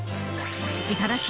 いただき！